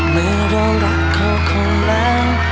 เมื่อเรารักเขาคงแล้ว